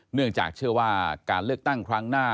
เนื่องจากเชื่อว่าการเลือกตั้งครั้งหน้า